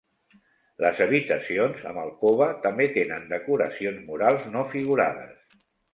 Les habitacions, amb alcova, també tenen decoracions murals no figurades.